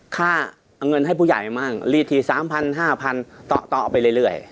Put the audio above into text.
ค่าเงินให้ผู้ใหญ่มั่งรีดที๓๐๐๕๐๐ต่อไปเรื่อย